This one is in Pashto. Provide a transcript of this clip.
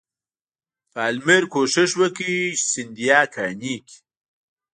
پالمر کوښښ وکړ چې سیندهیا قانع کړي.